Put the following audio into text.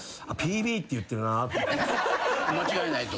間違いないと。